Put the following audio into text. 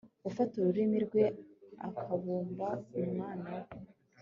ufata ururimi rwe akabumba umunwa we